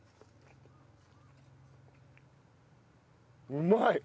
うまい。